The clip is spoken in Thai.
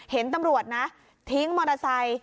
เห็นตำรวจนะทิ้งมอเตอร์ไซค์